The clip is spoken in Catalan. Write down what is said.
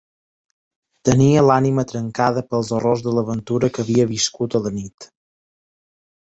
Tenia l'ànima trencada pels horrors de l'aventura que havia viscut a la nit.